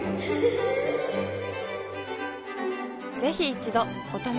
ぜひ一度お試しを。